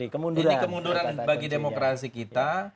ini kemunduran bagi demokrasi kita